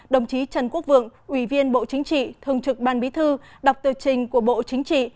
đồng chí trần quốc vượng ủy viên bộ chính trị thường trực ban bí thư đọc tờ trình của bộ chính trị